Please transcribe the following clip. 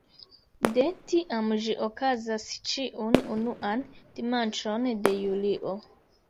De tiam ĝi okazas ĉiun unuan dimanĉon de julio.